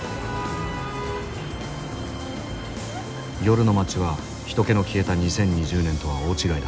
夜の街は人けの消えた２０２２年とは大違いだ。